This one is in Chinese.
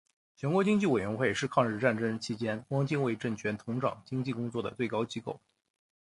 全国经济委员会是抗日战争期间汪精卫政权统掌经济工作的最高机构。